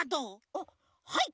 あっはい